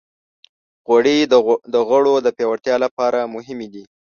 غوړې د غړو د پیاوړتیا لپاره مهمې دي.